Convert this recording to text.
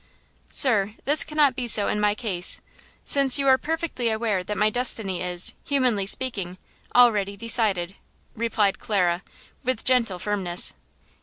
"Sir, this cannot be so in my case, since you are perfectly aware that my destiny is, humanly speaking, already decided," replied Clara, with gentle firmness.